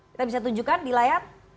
kita bisa tunjukkan di layar